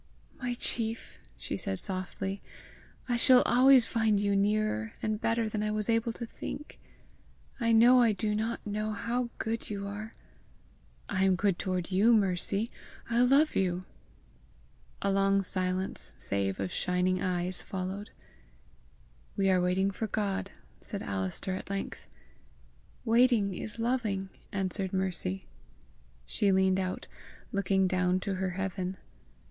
"My chief!" she said softly. "I shall always find you nearer and better than I was able to think! I know I do not know how good you are." "I am good toward you, Mercy! I love you!" A long silence, save of shining eyes, followed. "We are waiting for God!" said Alister at length. "Waiting is loving," answered Mercy. She leaned out, looking down to her heaven.